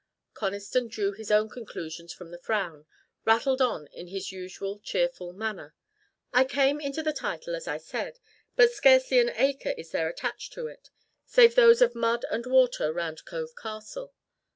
Conniston drew his own conclusions from the frown, rattled on in his usual cheerful manner. "I came into the title as I said, but scarcely an acre is there attached to it, save those of mud and water round Cove Castle.